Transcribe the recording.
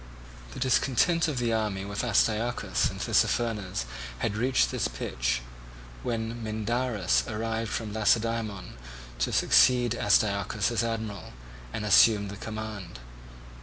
The discontent of the army with Astyochus and Tissaphernes had reached this pitch, when Mindarus arrived from Lacedaemon to succeed Astyochus as admiral, and assumed the command.